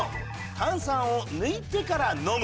「炭酸を抜いてから飲む」。